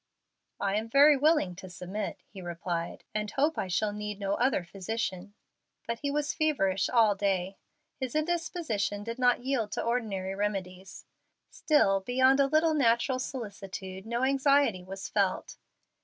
"I am very willing to submit," he replied, "and hope I shall need no other physician." But he was feverish all day. His indisposition did not yield to ordinary remedies. Still, beyond a little natural solicitude, no anxiety was felt.